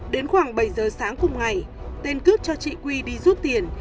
đến khoảng bảy giờ sáng cùng ngày tên cướp cho chị quy đi rút tiền